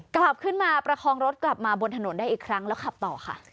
กลับขึ้นมาประคองรถกลับมาบนถนนได้อีกครั้งแล้วขับต่อค่ะ